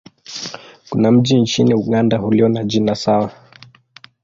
Kuna mji nchini Uganda ulio na jina sawa.